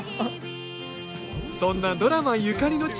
そんなドラマゆかりの地